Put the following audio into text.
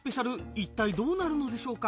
いったいどうなるのでしょうか？